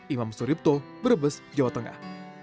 imam suripto brebes jawa tengah